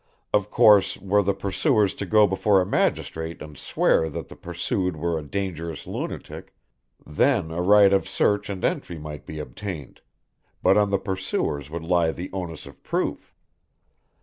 Of course, were the pursuers to go before a magistrate and swear that the pursued were a dangerous lunatic, then a right of search and entry might be obtained, but on the pursuers would lie the onus of proof.